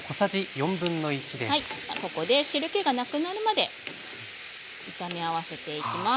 ここで汁けがなくなるまで炒め合わせていきます。